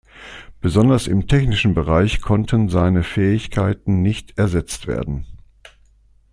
Besonders im technischen Bereich konnten seine Fähigkeiten nicht ersetzt werden.